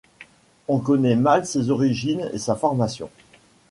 On connaît mal ses origines et sa formation.